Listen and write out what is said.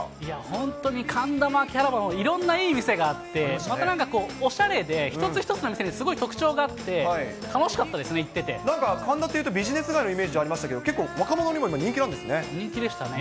本当に神田も秋葉原も、いろんないいお店があって、またなんかこう、おしゃれで、一つ一つのお店にすごい特徴があって、楽しかったですね、行ってなんか神田っていうと、ビジネス街のイメージありましたけど、結構、若者にも今、人気な人気でしたね。